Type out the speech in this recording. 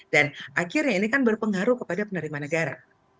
dan akhirnya ini kan berpengaruh kepada penerimaan negara